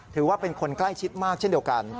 ถือว่าเป็นคนใกล้ชิดมากเช่นเดียวกัน